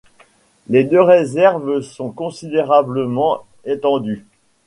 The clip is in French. Les deux réserves sont considérablement étendues.